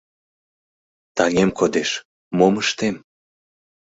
Таҥем кодеш — мом ыштем?